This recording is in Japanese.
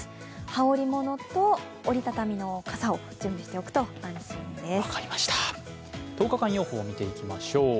羽織り物と折り畳みの傘を準備しておくと安心です。